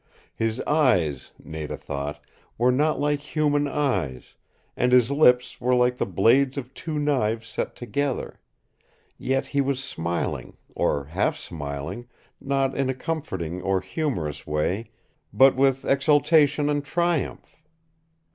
His eyes, Nada thought, were not like human eyes, and his lips were like the blades of two knives set together. Yet he was smiling, or half smiling, not in a comforting or humorous way, but with exultation and triumph.